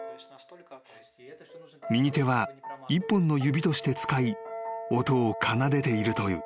［右手は１本の指として使い音を奏でているという］